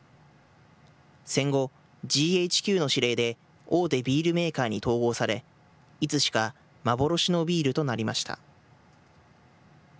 戦後、ＧＨＱの指令で大手ビールメーカーに統合され、いつしか幻のビールとなりました。